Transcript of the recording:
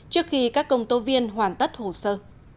trước khi các công tố viên hoàn tất hồ sơ